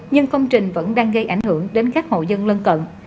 nhưng công trình vẫn đang gây ảnh hưởng đến các hộ dân lân cận